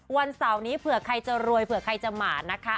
วันเสาร์นี้เผื่อใครจะรวยเผื่อใครจะหมานะคะ